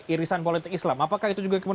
irisan politik islam apakah itu juga